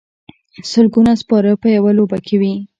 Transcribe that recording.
سلګونه سپاره په یوه لوبه کې وي.